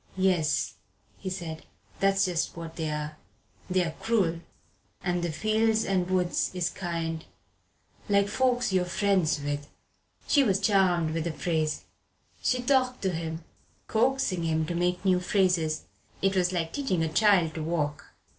"Yes," said he, "that's just what they are they're cruel. And the fields and woods is kind like folks you're friends with." She was charmed with the phrase. She talked to him, coaxing him to make new phrases. It was like teaching a child to walk.